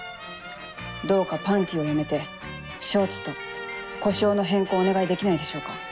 どうか「パンティ」をやめて「ショーツ」と呼称の変更をお願いできないでしょうか。